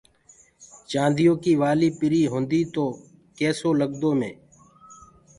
چآنديو ڪي وآلي پري هوندي تو ڪيسو لگدو مي